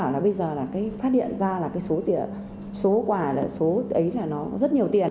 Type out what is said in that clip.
bây giờ là phát hiện ra là số quà ấy là nó rất nhiều tiền